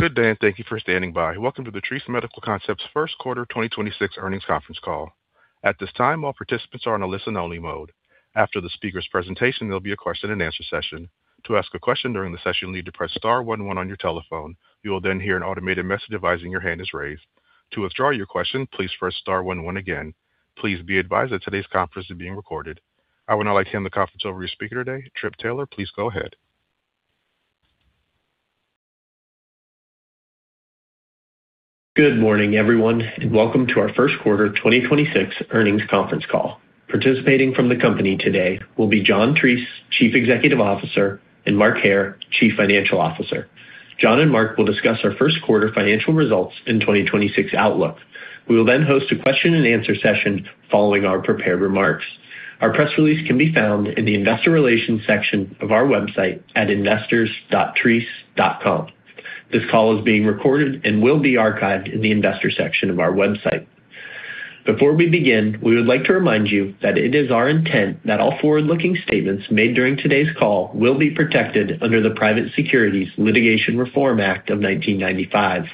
Good day, and thank you for standing by. Welcome to the Treace Medical Concepts first quarter 2026 earnings conference call. At this time, all participants are on a listen-only mode. After the speaker's presentation, there'll be a question-and-answer session. To ask a question during the session, you'll need to press star one one on your telephone. You will then hear an automated message advising your hand is raised. To withdraw your question, please press star one one again. Please be advised that today's conference is being recorded. I would now like to hand the conference over to your speaker today, Trip Taylor. Please go ahead. Good morning, everyone, and welcome to our first quarter 2026 earnings conference call. Participating from the company today will be John Treace, Chief Executive Officer, and Mark Hair, Chief Financial Officer. John and Mark will discuss our first quarter financial results in 2026 outlook. We will then host a question-and-answer session following our prepared remarks. Our press release can be found in the investor relations section of our website at investors.treace.com. This call is being recorded and will be archived in the investor section of our website. Before we begin, we would like to remind you that it is our intent that all forward-looking statements made during today's call will be protected under the Private Securities Litigation Reform Act of 1995.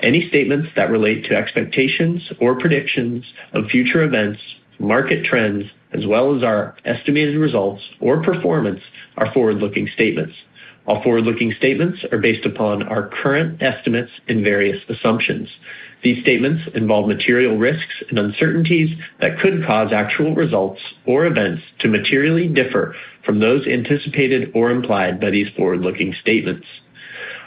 Any statements that relate to expectations or predictions of future events, market trends, as well as our estimated results or performance are forward-looking statements. All forward-looking statements are based upon our current estimates and various assumptions. These statements involve material risks and uncertainties that could cause actual results or events to materially differ from those anticipated or implied by these forward-looking statements.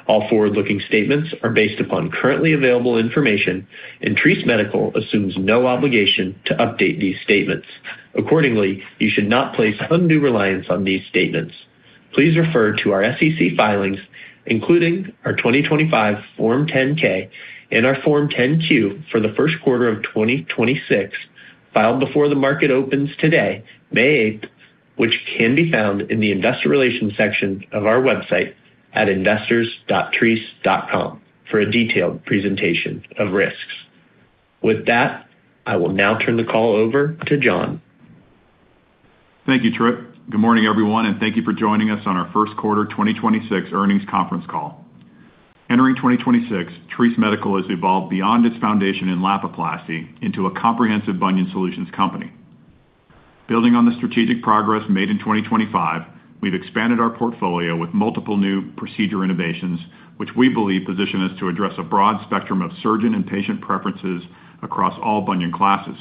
All forward-looking statements are based upon currently available information, and Treace Medical assumes no obligation to update these statements. Accordingly, you should not place undue reliance on these statements. Please refer to our SEC filings, including our 2025 Form 10-K and our Form 10-Q for the first quarter of 2026, filed before the market opens today, May 8th, which can be found in the investor relations section of our website at investors.treace.com for a detailed presentation of risks. With that, I will now turn the call over to John. Thank you, Trip. Good morning, everyone, and thank you for joining us on our first quarter 2026 earnings conference call. Entering 2026, Treace Medical has evolved beyond its foundation in Lapiplasty into a comprehensive bunion solutions company. Building on the strategic progress made in 2025, we've expanded our portfolio with multiple new procedure innovations, which we believe position us to address a broad spectrum of surgeon and patient preferences across all bunion classes.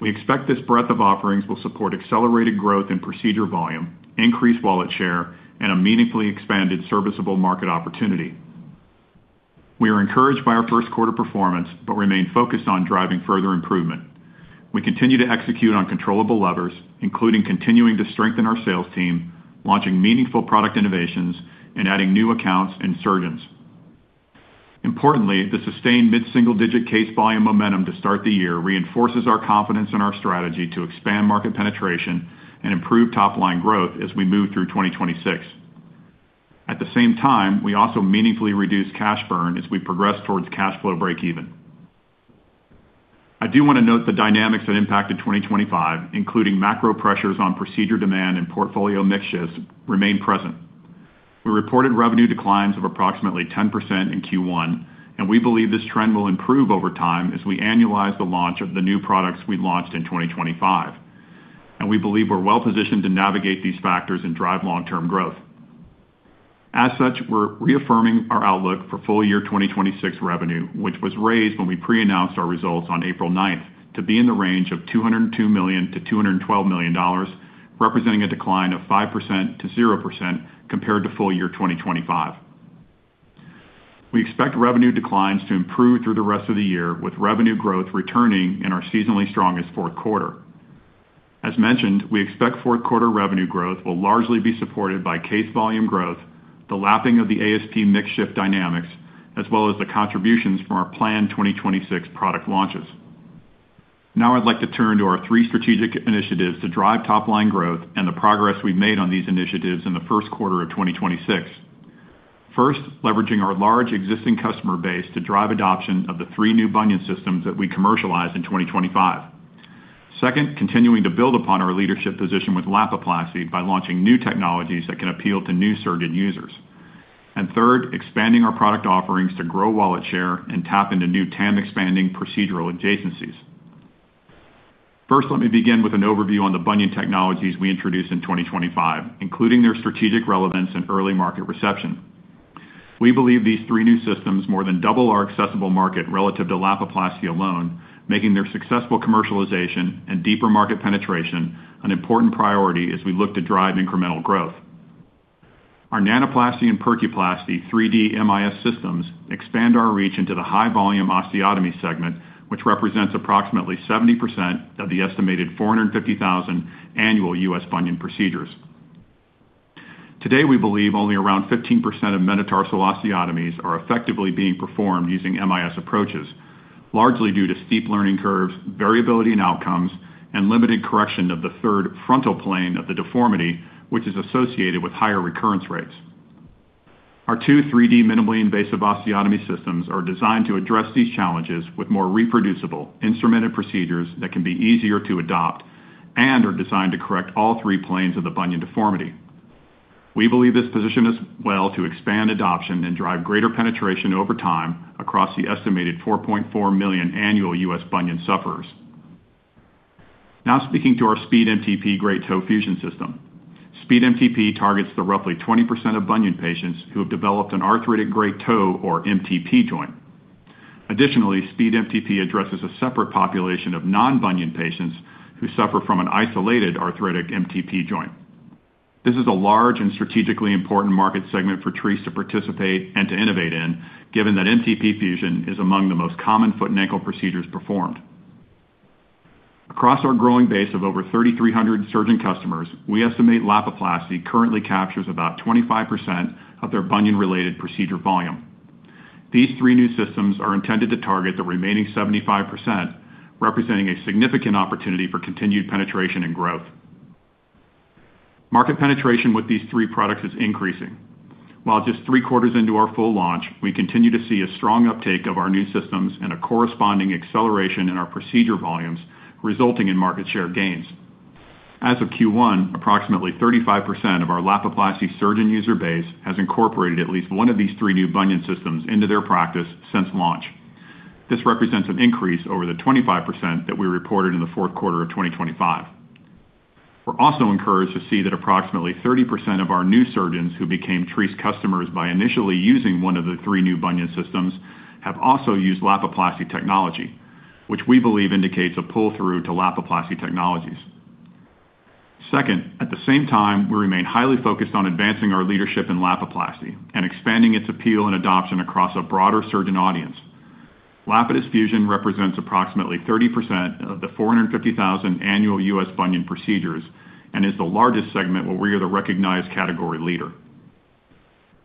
We expect this breadth of offerings will support accelerated growth and procedure volume, increased wallet share, and a meaningfully expanded serviceable market opportunity. We are encouraged by our first quarter performance but remain focused on driving further improvement. We continue to execute on controllable levers, including continuing to strengthen our sales team, launching meaningful product innovations, and adding new accounts and surgeons. Importantly, the sustained mid-single-digit case volume momentum to start the year reinforces our confidence in our strategy to expand market penetration and improve top-line growth as we move through 2026. At the same time, we also meaningfully reduce cash burn as we progress towards cash flow breakeven. I do wanna note the dynamics that impacted 2025, including macro pressures on procedure demand and portfolio mix shifts remain present. We reported revenue declines of approximately 10% in Q1. We believe this trend will improve over time as we annualize the launch of the new products we launched in 2025. We believe we're well-positioned to navigate these factors and drive long-term growth. As such, we're reaffirming our outlook for full year 2026 revenue, which was raised when we pre-announced our results on April 9th to be in the range of $202 million-$212 million, representing a decline of 5%-0% compared to full year 2025. We expect revenue declines to improve through the rest of the year, with revenue growth returning in our seasonally strongest fourth quarter. As mentioned, we expect fourth quarter revenue growth will largely be supported by case volume growth, the lapping of the ASP mix shift dynamics, as well as the contributions from our planned 2026 product launches. I'd like to turn to our three strategic initiatives to drive top-line growth and the progress we've made on these initiatives in the first quarter of 2026. First, leveraging our large existing customer base to drive adoption of the three new bunion systems that we commercialized in 2025. Second, continuing to build upon our leadership position with Lapiplasty by launching new technologies that can appeal to new surgeon users. Third, expanding our product offerings to grow wallet share and tap into new TAM-expanding procedural adjacencies. First, let me begin with an overview on the bunion technologies we introduced in 2025, including their strategic relevance and early market reception. We believe these three new systems more than double our accessible market relative to Lapiplasty alone, making their successful commercialization and deeper market penetration an important priority as we look to drive incremental growth. Our Nanoplasty and Percuplasty 3D MIS systems expand our reach into the high-volume osteotomy segment, which represents approximately 70% of the estimated 450,000 annual U.S. bunion procedures. Today, we believe only around 15% of metatarsal osteotomies are effectively being performed using MIS approaches, largely due to steep learning curves, variability in outcomes, and limited correction of the third frontal plane of the deformity, which is associated with higher recurrence rates. Our two 3D minimally invasive osteotomy systems are designed to address these challenges with more reproducible instrumented procedures that can be easier to adopt and are designed to correct all three planes of the bunion deformity. We believe this position is well to expand adoption and drive greater penetration over time across the estimated 4.4 million annual U.S. bunion sufferers. Speaking to our SpeedMTP Great Toe Fusion System. SpeedMTP targets the roughly 20% of bunion patients who have developed an arthritic great toe or MTP joint. Additionally, SpeedMTP addresses a separate population of non-bunion patients who suffer from an isolated arthritic MTP joint. This is a large and strategically important market segment for Treace to participate and to innovate in, given that MTP fusion is among the most common foot and ankle procedures performed. Across our growing base of over 3,300 surgeon customers, we estimate Lapiplasty currently captures about 25% of their bunion related procedure volume. These three new systems are intended to target the remaining 75%, representing a significant opportunity for continued penetration and growth. Market penetration with these three products is increasing. While just three quarters into our full launch, we continue to see a strong uptake of our new systems and a corresponding acceleration in our procedure volumes, resulting in market share gains. As of Q1, approximately 35% of our Lapiplasty surgeon user base has incorporated at least one of these three new bunion systems into their practice since launch. This represents an increase over the 25% that we reported in Q4 2025. We're also encouraged to see that approximately 30% of our new surgeons who became Treace customers by initially using one of the three new bunion systems have also used Lapiplasty technology, which we believe indicates a pull-through to Lapiplasty technologies. Second, at the same time, we remain highly focused on advancing our leadership in Lapiplasty and expanding its appeal and adoption across a broader surgeon audience. Lapidus fusion represents approximately 30% of the 450,000 annual U.S. bunion procedures and is the largest segment where we are the recognized category leader.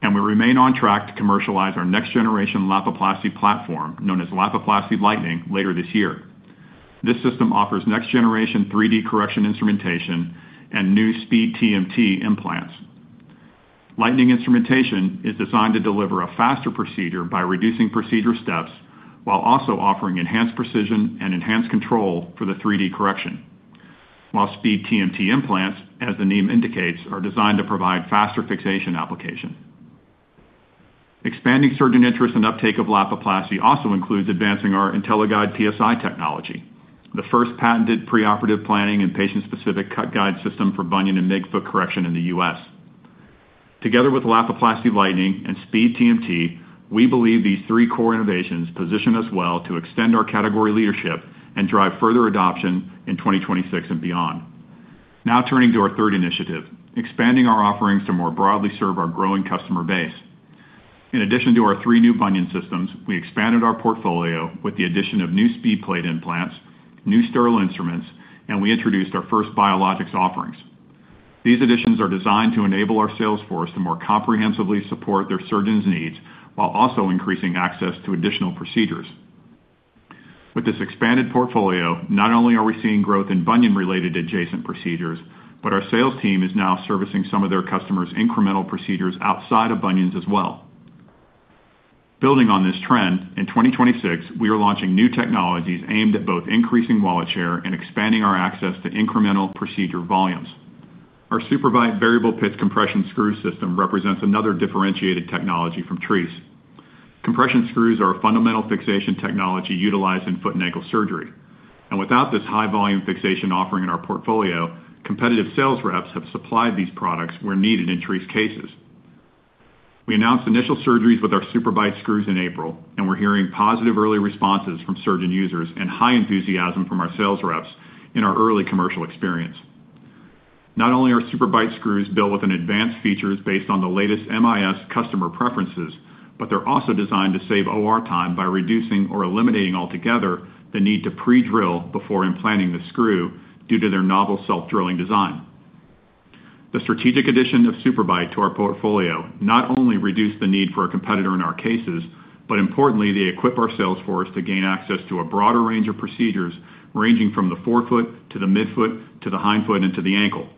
We remain on track to commercialize our next generation Lapiplasty platform, known as Lapiplasty Lightning, later this year. This system offers next generation 3D correction instrumentation and new SpeedTMT implants. Lightning Instrumentation is designed to deliver a faster procedure by reducing procedure steps while also offering enhanced precision and enhanced control for the 3D correction. While SpeedTMT implants, as the name indicates, are designed to provide faster fixation application. Expanding surgeon interest and uptake of Lapiplasty also includes advancing our IntelliGuide PSI technology, the first patented preoperative planning and patient specific cut guide system for bunion and midfoot correction in the U.S. Together with Lapiplasty Lightning and SpeedTMT, we believe these three core innovations position us well to extend our category leadership and drive further adoption in 2026 and beyond. Now turning to our third initiative, expanding our offerings to more broadly serve our growing customer base. In addition to our three new bunion systems, we expanded our portfolio with the addition of new SpeedPlate implants, new sterile instruments, and we introduced our first biologics offerings. These additions are designed to enable our sales force to more comprehensively support their surgeons' needs while also increasing access to additional procedures. With this expanded portfolio, not only are we seeing growth in bunion related adjacent procedures, but our sales team is now servicing some of their customers incremental procedures outside of bunions as well. Building on this trend, in 2026, we are launching new technologies aimed at both increasing wallet share and expanding our access to incremental procedure volumes. Our SuperBite variable pitch compression screw system represents another differentiated technology from Treace. Compression screws are a fundamental fixation technology utilized in foot and ankle surgery. Without this high volume fixation offering in our portfolio, competitive sales reps have supplied these products where needed in Treace cases. We announced initial surgeries with our SuperBite screws in April, and we're hearing positive early responses from surgeon users and high enthusiasm from our sales reps in our early commercial experience. Not only are SuperBite screws built with an advanced features based on the latest MIS customer preferences, but they're also designed to save OR time by reducing or eliminating altogether the need to pre-drill before implanting the screw due to their novel self-drilling design. The strategic addition of SuperBite to our portfolio not only reduced the need for a competitor in our cases, importantly, they equip our sales force to gain access to a broader range of procedures ranging from the forefoot to the midfoot to the hindfoot and to the ankle.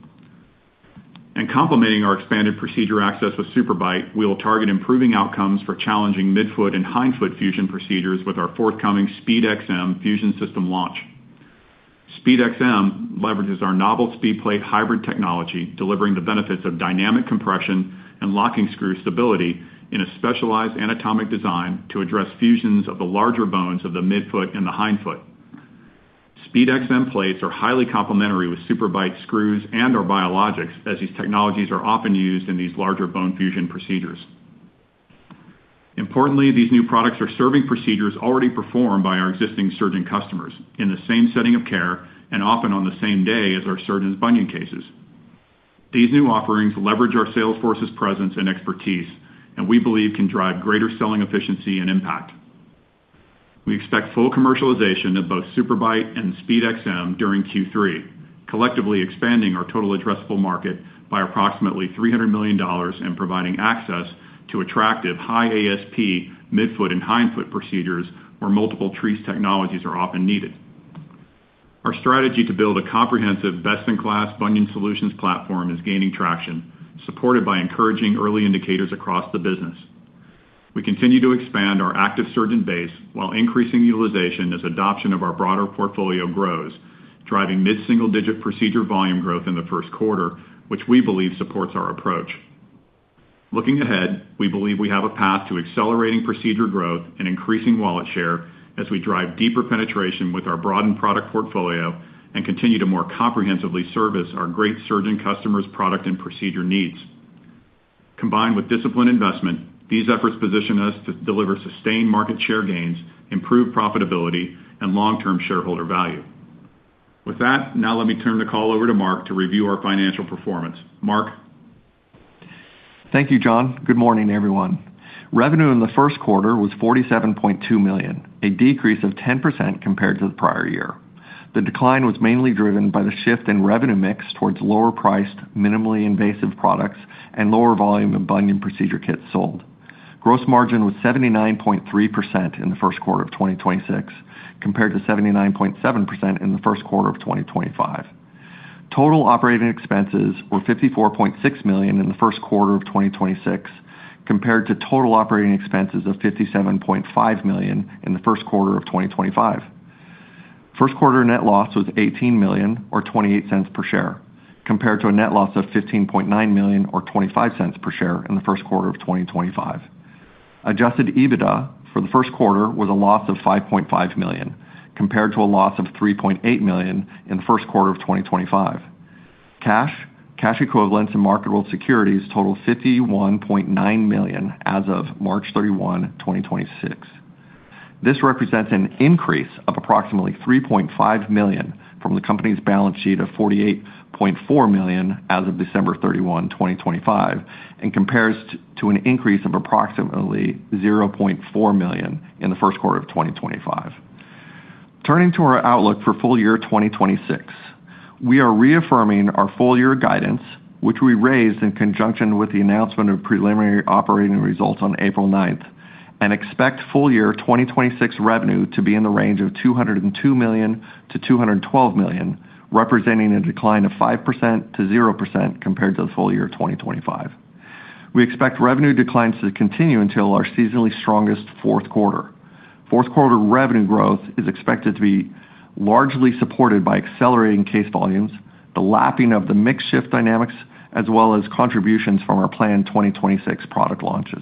Complementing our expanded procedure access with SuperBite, we will target improving outcomes for challenging midfoot and hindfoot fusion procedures with our forthcoming SpeedXM Fusion System launch. SpeedXM leverages our novel SpeedPlate hybrid technology, delivering the benefits of dynamic compression and locking screw stability in a specialized anatomic design to address fusions of the larger bones of the midfoot and the hindfoot. SpeedXM plates are highly complementary with SuperBite screws and our biologics, as these technologies are often used in these larger bone fusion procedures. Importantly, these new products are serving procedures already performed by our existing surgeon customers in the same setting of care and often on the same day as our surgeons' bunion cases. These new offerings leverage our sales force's presence and expertise and we believe can drive greater selling efficiency and impact. We expect full commercialization of both SuperBite and SpeedXM during Q3, collectively expanding our total addressable market by approximately $300 million and providing access to attractive high ASP midfoot and hindfoot procedures where multiple Treace technologies are often needed. Our strategy to build a comprehensive best-in-class bunion solutions platform is gaining traction, supported by encouraging early indicators across the business. We continue to expand our active surgeon base while increasing utilization as adoption of our broader portfolio grows, driving mid-single-digit procedure volume growth in the first quarter, which we believe supports our approach. Looking ahead, we believe we have a path to accelerating procedure growth and increasing wallet share as we drive deeper penetration with our broadened product portfolio and continue to more comprehensively service our great surgeon customers' product and procedure needs. Combined with disciplined investment, these efforts position us to deliver sustained market share gains, improved profitability, and long-term shareholder value. With that, now let me turn the call over to Mark to review our financial performance. Mark? Thank you, John. Good morning, everyone. Revenue in the first quarter was $47.2 million, a decrease of 10% compared to the prior year. The decline was mainly driven by the shift in revenue mix towards lower-priced, minimally invasive products and lower volume of bunion procedure kits sold. Gross margin was 79.3% in the first quarter of 2026, compared to 79.7% in the first quarter of 2025. Total operating expenses were $54.6 million in the first quarter of 2026, compared to total operating expenses of $57.5 million in the first quarter of 2025. First quarter net loss was $18 million or $0.28 per share, compared to a net loss of $15.9 million or $0.25 per share in the first quarter of 2025. Adjusted EBITDA for the first quarter was a loss of $5.5 million, compared to a loss of $3.8 million in the first quarter of 2025. Cash, cash equivalents, and marketable securities totaled $51.9 million as of March 31, 2026. This represents an increase of approximately $3.5 million from the company's balance sheet of $48.4 million as of December 31, 2025, and compares to an increase of approximately $0.4 million in the first quarter of 2025. Turning to our outlook for full year 2026. We are reaffirming our full-year guidance, which we raised in conjunction with the announcement of preliminary operating results on April 9th, and expect full-year 2026 revenue to be in the range of $202 million-$212 million, representing a decline of 5%-0% compared to the full-year 2025. We expect revenue declines to continue until our seasonally strongest fourth quarter. Fourth quarter revenue growth is expected to be largely supported by accelerating case volumes, the lapping of the mix shift dynamics, as well as contributions from our planned 2026 product launches.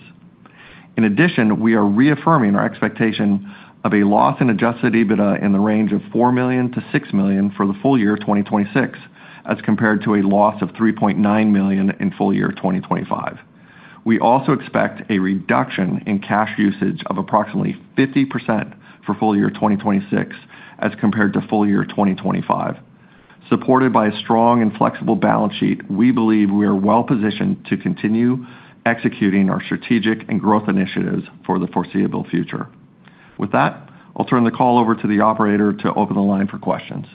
In addition, we are reaffirming our expectation of a loss in adjusted EBITDA in the range of $4 million-$6 million for the full year of 2026, as compared to a loss of $3.9 million in full year of 2025. We also expect a reduction in cash usage of approximately 50% for full year 2026, as compared to full year of 2025. Supported by a strong and flexible balance sheet, we believe we are well-positioned to continue executing our strategic and growth initiatives for the foreseeable future. With that, I'll turn the call over to the operator to open the line for questions.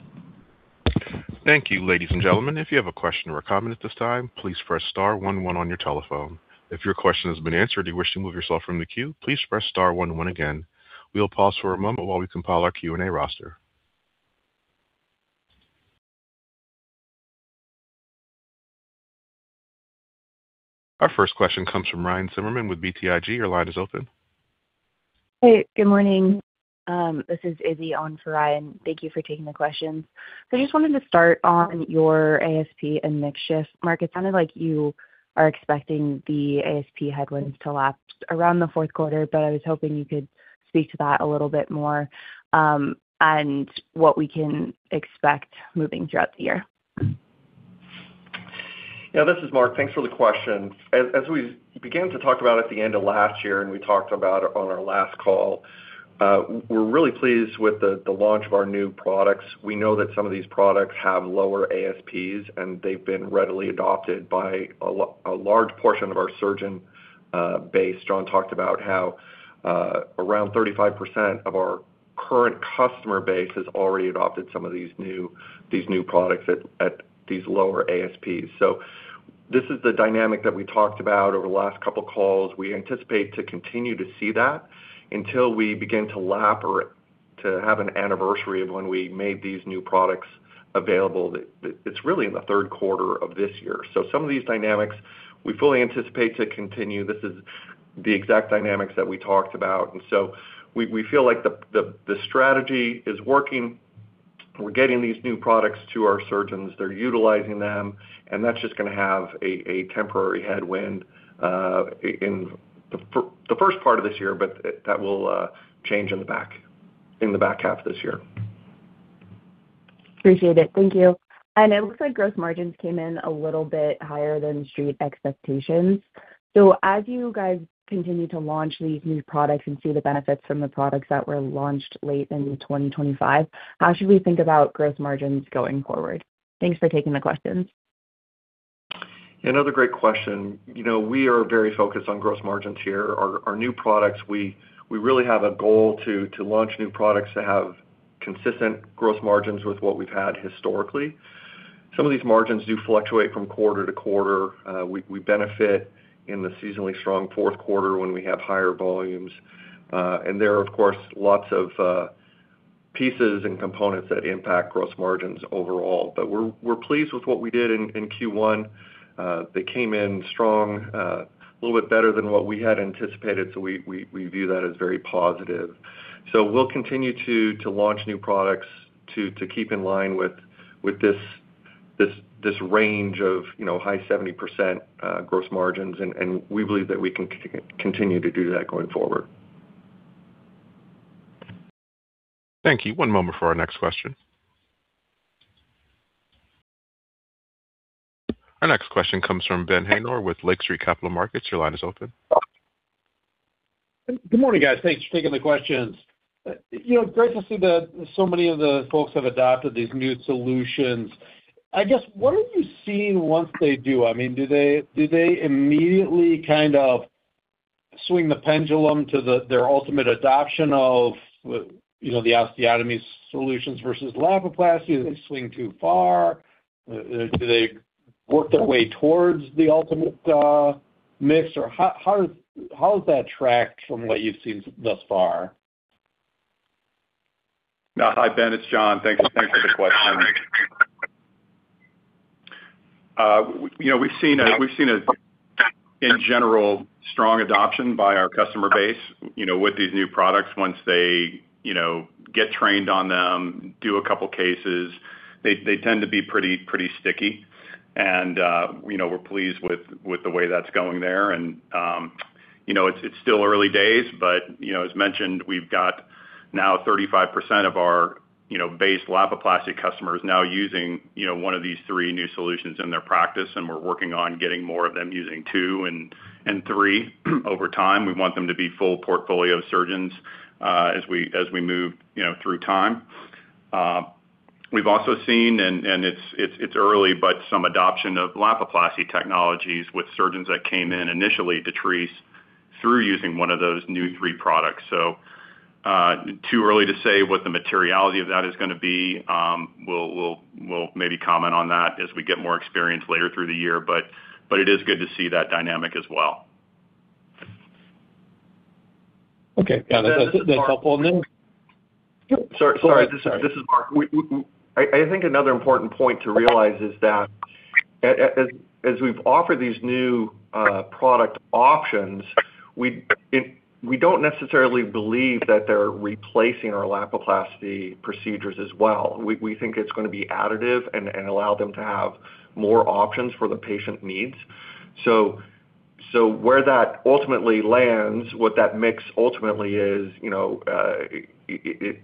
Thank you, ladies and gentlemen. If you have a question or a comment at this time, please press star one one on your telephone. If your question has been answered or you wish to move yourself from the queue, please press star one one again. We'll pause for a moment while we compile our Q&A roster. Our first question comes from Ryan Zimmerman with BTIG. Your line is open. Hey, good morning. This is Izzy on for Ryan. Thank you for taking the questions. I just wanted to start on your ASP and mix shift. Mark, it sounded like you are expecting the ASP headwinds to lapse around the Q4, but I was hoping you could speak to that a little bit more, and what we can expect moving throughout the year. Yeah, this is Mark. Thanks for the question. As we began to talk about at the end of last year, and we talked about on our last call, we're really pleased with the launch of our new products. We know that some of these products have lower ASPs, and they've been readily adopted by a large portion of our surgeon base. John talked about how around 35% of our current customer base has already adopted these new products at these lower ASPs. This is the dynamic that we talked about over the last couple of calls. We anticipate to continue to see that until we begin to lap or to have an anniversary of when we made these new products available. It's really in the third quarter of this year. Some of these dynamics, we fully anticipate to continue. This is the exact dynamics that we talked about. We feel like the strategy is working. We're getting these new products to our surgeons. They're utilizing them, and that's just gonna have a temporary headwind in the first part of this year, but that will change in the back half of this year. Appreciate it. Thank you. It looks like gross margins came in a little bit higher than Street expectations. As you guys continue to launch these new products and see the benefits from the products that were launched late in 2025, how should we think about gross margins going forward? Thanks for taking the questions. Another great question. You know, we are very focused on gross margins here. Our new products, we really have a goal to launch new products that have consistent gross margins with what we've had historically. Some of these margins do fluctuate from quarter-to-quarter. We benefit in the seasonally strong fourth quarter when we have higher volumes. There are, of course, lots of Pieces and components that impact gross margins overall. We're pleased with what we did in Q1. They came in strong, a little bit better than what we had anticipated, so we view that as very positive. We'll continue to launch new products to keep in line with this range of, you know, high 70% gross margins. We believe that we can continue to do that going forward. Thank you. One moment for our next question. Our next question comes from Ben Haynor with Lake Street Capital Markets. Your line is open. Good morning, guys. Thanks for taking the questions. You know, great to see that so many of the folks have adopted these new solutions. I guess, what are you seeing once they do? I mean, do they immediately kind of swing the pendulum to their ultimate adoption of, you know, the osteotomy solutions versus Lapiplasty? Do they swing too far? Do they work their way towards the ultimate mix? How has that tracked from what you've seen thus far? Hi, Ben. It's John. Thanks for the question. You know, we've seen a, in general, strong adoption by our customer base, you know, with these new products. Once they, you know, get trained on them, do a couple cases, they tend to be pretty sticky. You know, we're pleased with the way that's going there. You know, it's still early days, but, you know, as mentioned, we've got now 35% of our, you know, base Lapiplasty customers now using, you know, one of these three new solutions in their practice, and we're working on getting more of them using two and three over time. We want them to be full portfolio surgeons as we move, you know, through time. We've also seen, and it's early, but some adoption of Lapiplasty technologies with surgeons that came in initially to Treace through using one of those new three products. Too early to say what the materiality of that is gonna be. We'll maybe comment on that as we get more experience later through the year, but it is good to see that dynamic as well. Okay. Yeah, that's helpful. Sorry, sorry. This is Mark. I think another important point to realize is that as we've offered these new product options, we don't necessarily believe that they're replacing our Lapiplasty procedures as well. We think it's gonna be additive and allow them to have more options for the patient needs. Where that ultimately lands, what that mix ultimately is, you know, it's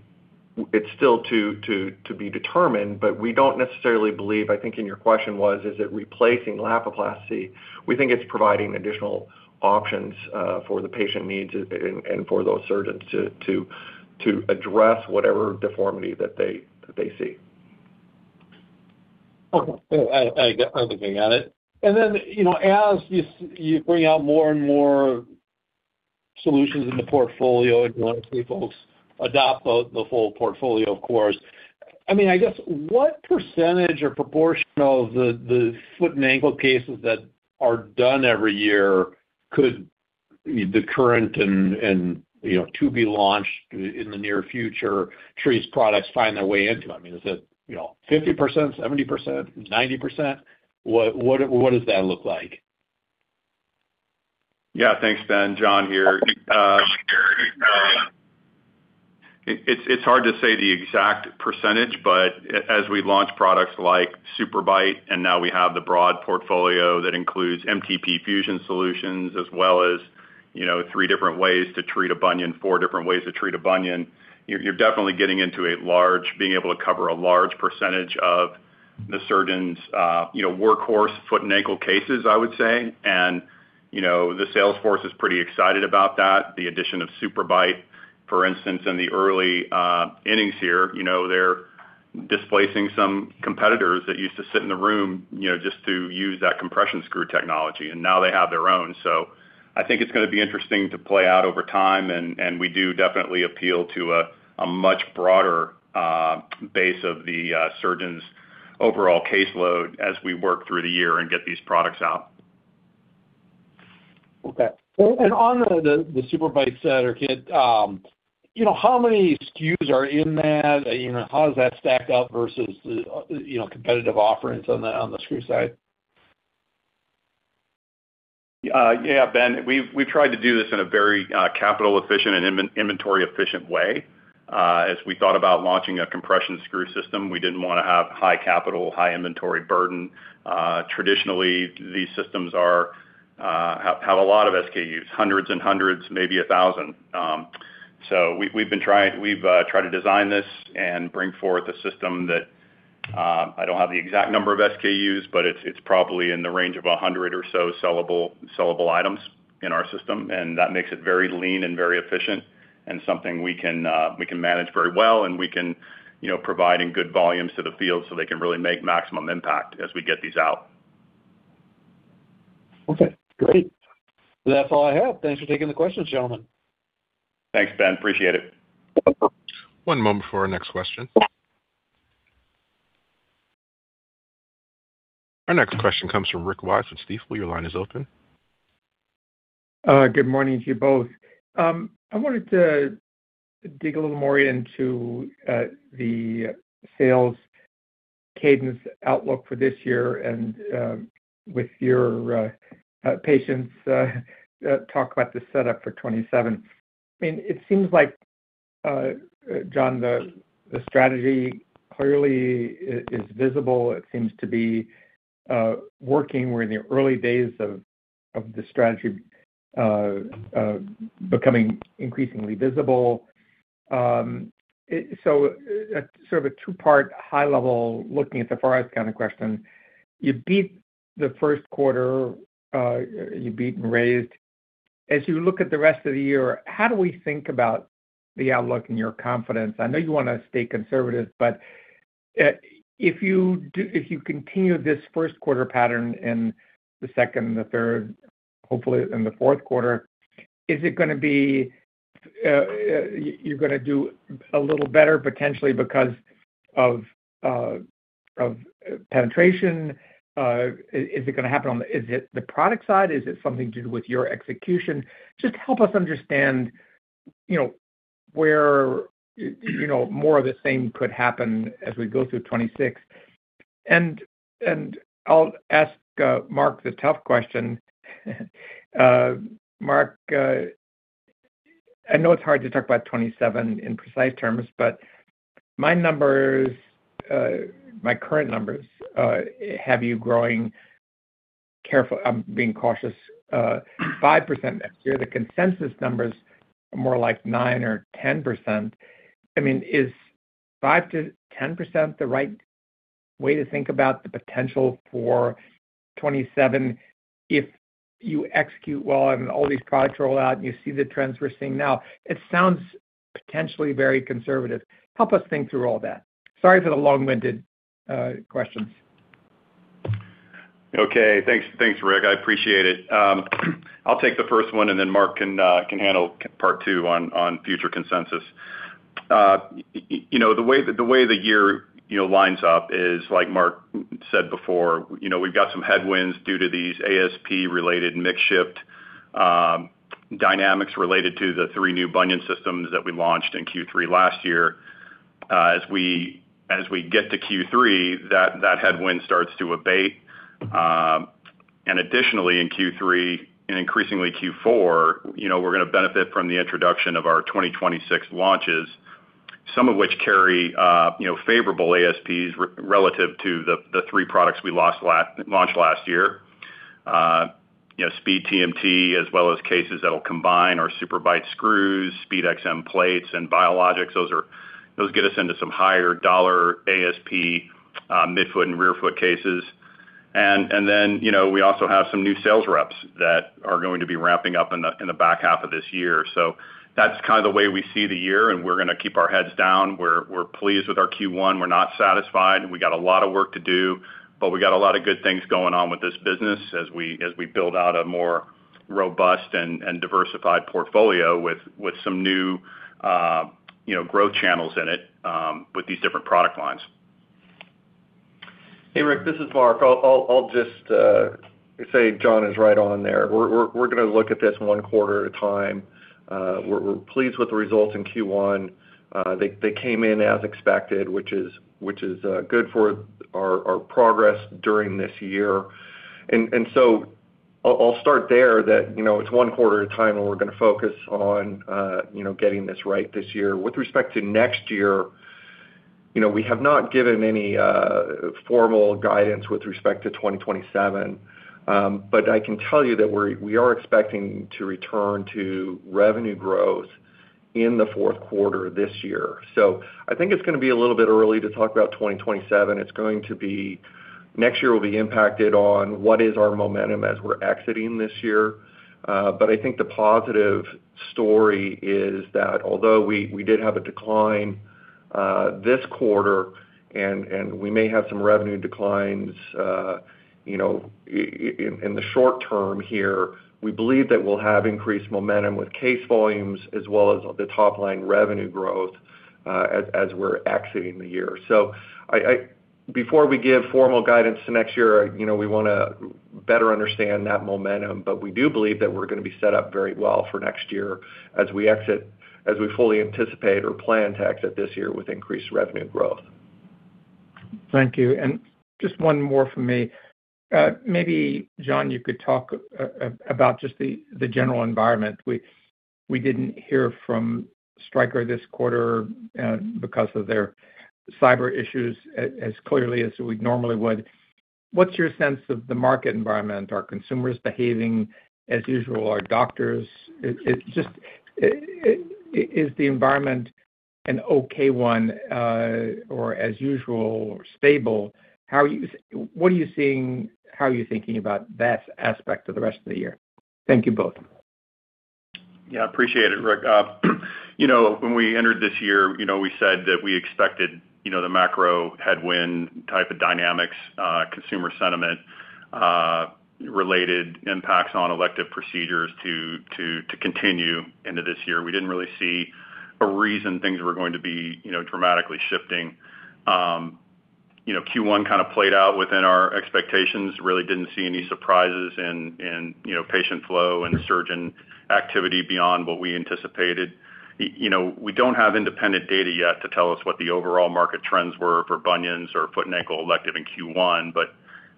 still to be determined, but we don't necessarily believe I think and your question was, is it replacing Lapiplasty? We think it's providing additional options for the patient needs and for those surgeons to address whatever deformity that they see. Okay. I'm looking at it. Then, you know, as you bring out more and more solutions in the portfolio and once we folks adopt the full portfolio, of course, I guess what percentage or proportion of the foot and ankle cases that are done every year could the current and, you know, to be launched in the near future Treace products find their way into? Is it, you know, 50%, 70%, 90%? What, what does that look like? Yeah. Thanks, Ben. John here. It's hard to say the exact percentage, but as we launch products like SuperBite, and now we have the broad portfolio that includes MTP fusion solutions, as well as, you know, three different ways to treat a bunion, four different ways to treat a bunion, you're definitely getting into a large being able to cover a large percentage of the surgeon's, you know, workhorse foot and ankle cases, I would say. You know, the sales force is pretty excited about that. The addition of SuperBite, for instance, in the early innings here, you know, they're displacing some competitors that used to sit in the room, you know, just to use that compression screw technology, and now they have their own. I think it's gonna be interesting to play out over time, and we do definitely appeal to a much broader base of the surgeon's overall caseload as we work through the year and get these products out. Okay. On the SuperBite set or kit, you know, how many SKUs are in that? You know, how does that stack up versus, you know, competitive offerings on the screw side? Yeah, Ben, we've tried to do this in a very capital efficient and inventory efficient way. As we thought about launching a compression screw system, we didn't wanna have high capital, high inventory burden. Traditionally, these systems are have a lot of SKUs, hundreds and hundreds, maybe a thousand. So we've tried to design this and bring forward a system that I don't have the exact number of SKUs, but it's probably in the range of 100 or so sellable items in our system, and that makes it very lean and very efficient and something we can manage very well and we can, you know, provide in good volumes to the field so they can really make maximum impact as we get these out. Okay, great. That's all I have. Thanks for taking the questions, gentlemen. Thanks, Ben. Appreciate it. One moment for our next question. Our next question comes from Rick Wise from Stifel. Your line is open. Good morning to you both. I wanted to dig a little more into the sales cadence outlook for this year and with your patience talk about the setup for 2027. I mean, it seems like John, the strategy clearly is visible. It seems to be working. We're in the early days of the strategy becoming increasingly visible. Sort of a two-part high level, looking at the far out kind of question. You beat the first quarter, you beat and raised. As you look at the rest of the year, how do we think about the outlook and your confidence? I know you want to stay conservative, but, if you continue this first quarter pattern in the second and the third, hopefully in the fourth quarter, is it gonna be, you're gonna do a little better potentially because of penetration? Is it gonna happen, is it the product side? Is it something to do with your execution? Just help us understand, you know, where, you know, more of the same could happen as we go through 2026. I'll ask Mark the tough question. Mark, I know it's hard to talk about 2027 in precise terms, but my numbers, my current numbers, have you growing, I'm being cautious, 5% next year. The consensus numbers are more like 9% or 10%. I mean, is 5%-10% the right way to think about the potential for 2027 if you execute well and all these products roll out and you see the trends we're seeing now? It sounds potentially very conservative. Help us think through all that. Sorry for the long-winded questions. Okay. Thanks. Thanks, Rick. I appreciate it. I'll take the first one, and then Mark can handle part two on future consensus. You know, the way the year, you know, lines up is, like Mark said before, you know, we've got some headwinds due to these ASP-related mix shift dynamics related to the three new bunion systems that we launched in Q3 last year. As we get to Q3, that headwind starts to abate. Additionally, in Q3 and increasingly Q4, you know, we're going to benefit from the introduction of our 2026 launches, some of which carry, you know, favorable ASPs relative to the three products we launched last year. You know, SpeedTMT, as well as cases that'll combine our SuperBite screws, SpeedXM plates, and biologics. Those get us into some higher dollar ASP midfoot and rearfoot cases. You know, we also have some new sales reps that are going to be ramping up in the back half of this year. That's kind of the way we see the year, and we're going to keep our heads down. We're pleased with our Q1. We're not satisfied. We got a lot of work to do, but we got a lot of good things going on with this business as we build out a more robust and diversified portfolio with some new, you know, growth channels in it with these different product lines. Hey, Rick, this is Mark. I'll just say John is right on there. We're gonna look at this one quarter at a time. We're pleased with the results in Q1. They came in as expected, which is good for our progress during this year. I'll start there that, you know, it's one quarter at a time, and we're gonna focus on, you know, getting this right this year. With respect to next year, you know, we have not given any formal guidance with respect to 2027. I can tell you that we are expecting to return to revenue growth in the fourth quarter this year. I think it's gonna be a little bit early to talk about 2027. It's going to be next year will be impacted on what is our momentum as we're exiting this year. I think the positive story is that although we did have a decline this quarter and we may have some revenue declines, you know, in the short term here, we believe that we'll have increased momentum with case volumes as well as the top-line revenue growth as we're exiting the year. Before we give formal guidance to next year, you know, we wanna better understand that momentum. We do believe that we're gonna be set up very well for next year as we fully anticipate or plan to exit this year with increased revenue growth. Thank you. Just one more from me. Maybe, John, you could talk about just the general environment. We didn't hear from Stryker this quarter because of their cyber issues as clearly as we normally would. What's your sense of the market environment? Are consumers behaving as usual? Are doctors-- is the environment an okay one or as usual or stable? What are you seeing? How are you thinking about that aspect of the rest of the year? Thank you both. Yeah, appreciate it, Rick. You know, when we entered this year, you know, we said that we expected, you know, the macro headwind type of dynamics, consumer sentiment-related impacts on elective procedures to continue into this year. We didn't really see a reason things were going to be, you know, dramatically shifting. You know, Q1 kind of played out within our expectations. Really didn't see any surprises in, you know, patient flow and surgeon activity beyond what we anticipated. You know, we don't have independent data yet to tell us what the overall market trends were for bunions or foot and ankle elective in Q1.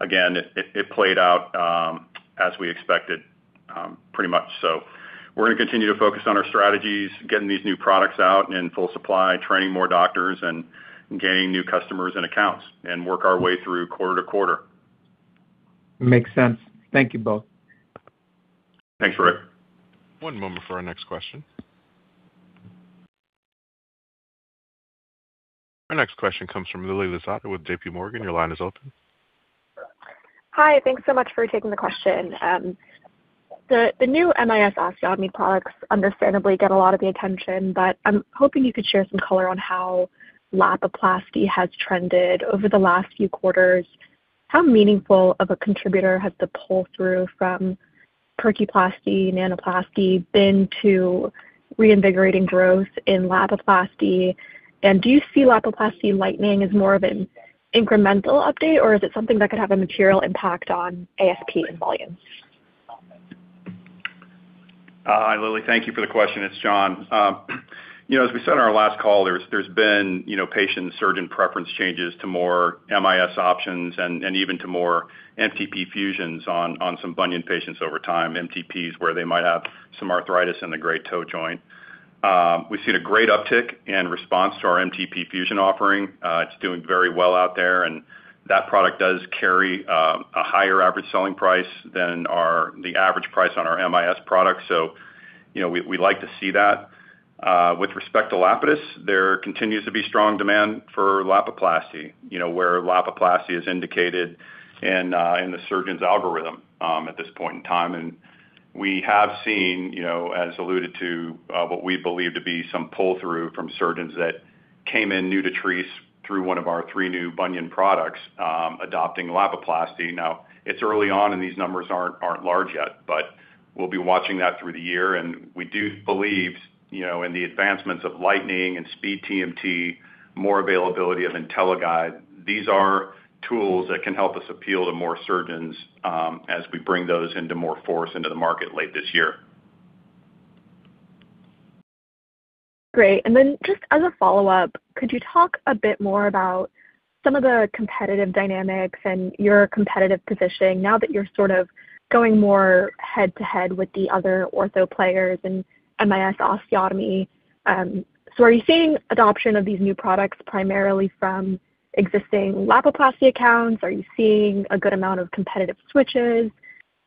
Again, it played out as we expected pretty much. We're gonna continue to focus on our strategies, getting these new products out in full supply, training more doctors and gaining new customers and accounts and work our way through quarter-to-quarter. Makes sense. Thank you both. Thanks, Rick. One moment for our next question. Our next question comes from Lily Lozada with JPMorgan. Your line is open. Hi. Thanks so much for taking the question. The new MIS osteotomy products understandably get a lot of the attention, I'm hoping you could share some color on how Lapiplasty has trended over the last few quarters. How meaningful of a contributor has the pull through from Percuplasty, Nanoplasty been to reinvigorating growth in Lapiplasty? Do you see Lapiplasty Lightning as more of an incremental update, or is it something that could have a material impact on ASP and volumes? Hi, Lily. Thank you for the question. It's John. You know, as we said in our last call, there's been, you know, patient surgeon preference changes to more MIS options and even to more MTP fusions on some bunion patients over time, MTPs where they might have some arthritis in the great toe joint. We've seen a great uptick in response to our MTP fusion offering. It's doing very well out there, and that product does carry a higher average selling price than the average price on our MIS product. You know, we like to see that. With respect to Lapidus, there continues to be strong demand for Lapiplasty, you know, where Lapiplasty is indicated in the surgeon's algorithm at this point in time. We have seen, you know, as alluded to, what we believe to be some pull through from surgeons that came in new to Treace through one of our three new bunion products, adopting Lapiplasty. Now, it's early on, these numbers aren't large yet, we'll be watching that through the year. We do believe, you know, in the advancements of Lightning and SpeedTMT, more availability of IntelliGuide. These are tools that can help us appeal to more surgeons, as we bring those into more force into the market late this year. Great. Just as a follow-up, could you talk a bit more about some of the competitive dynamics and your competitive positioning now that you're sort of going more head-to-head with the other ortho players in MIS osteotomy. Are you seeing adoption of these new products primarily from existing Lapiplasty accounts? Are you seeing a good amount of competitive switches?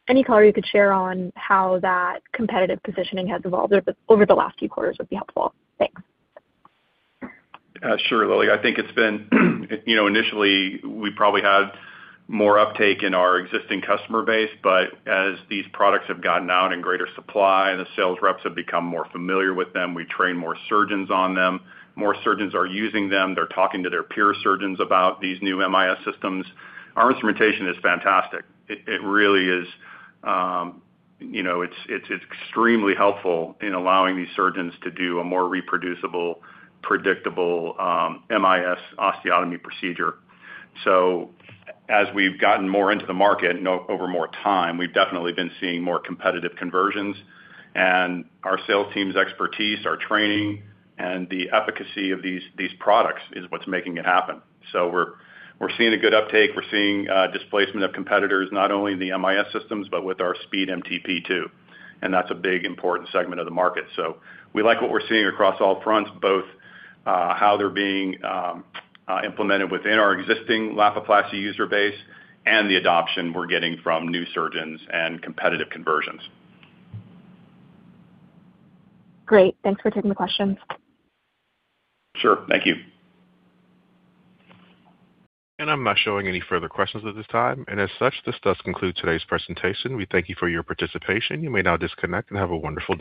Any color you could share on how that competitive positioning has evolved over the last few quarters would be helpful. Thanks. Sure, Lily. I think it's been, you know, initially we probably had more uptake in our existing customer base, as these products have gotten out in greater supply and the sales reps have become more familiar with them, we train more surgeons on them, more surgeons are using them, they're talking to their peer surgeons about these new MIS systems. Our instrumentation is fantastic. It really is, you know, it's extremely helpful in allowing these surgeons to do a more reproducible, predictable MIS osteotomy procedure. As we've gotten more into the market over more time, we've definitely been seeing more competitive conversions. Our sales team's expertise, our training, and the efficacy of these products is what's making it happen. We're seeing a good uptake. We're seeing displacement of competitors, not only in the MIS systems, but with our SpeedMTP too, and that's a big important segment of the market. We like what we're seeing across all fronts, both how they're being implemented within our existing Lapiplasty user base and the adoption we're getting from new surgeons and competitive conversions. Great. Thanks for taking the questions. Sure. Thank you. I'm not showing any further questions at this time. As such, this does conclude today's presentation. We thank you for your participation. You may now disconnect and have a wonderful day.